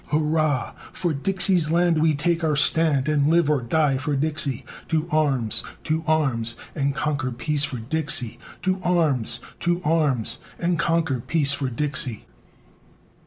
hurrah! For Dixie's land we take our stand, And live or die for Dixie! To arms! To arms! And conquer peace for Dixie! To arms! To arms! And conquer peace for Dixie!